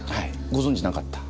ご存じなかった？